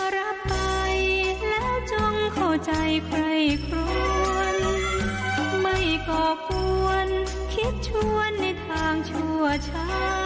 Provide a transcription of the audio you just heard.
รับไปแล้วจงเข้าใจใครควรไม่ก่อกวนคิดชวนในทางชั่วช้า